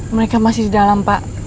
mereka masih di dalam pak